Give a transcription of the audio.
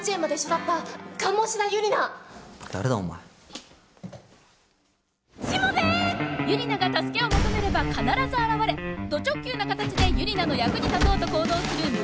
ユリナが助けを求めれば必ず現れド直球な形でユリナの役に立とうと行動する無言のオッサンしもべえ。